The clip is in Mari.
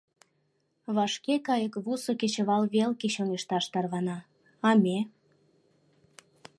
Вашке кайыквусо кечывал велке чоҥешташ тарвана, а ме?!»